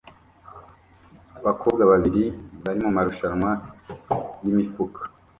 Abakobwa babiri bari mumarushanwa yimifuka